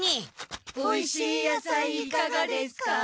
おいしいやさいいかがですか。